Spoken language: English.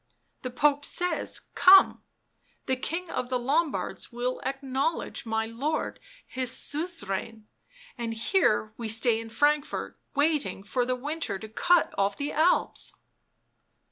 The Pope says — Come— the King of the Lombards will acknowledge my lord his suzerain— and here we stay in Frankfort waiting for the "winter to cut off the Alps."